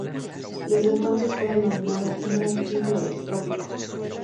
Desde entonces fue denominado "Hombre Altivo del Trópico".